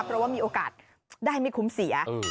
เพราะว่ามีโอกาสได้ไม่คุ้มเสีย